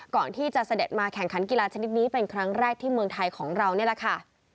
เสด็จมาแข่งขันกีฬาชนิดนี้เป็นครั้งแรกที่เมืองไทยของเรานี่แหละค่ะ